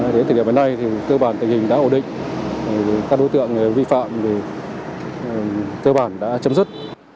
đến thời điểm này thì cơ bản tình hình đã ổn định các đối tượng vi phạm thì cơ bản đã chấm dứt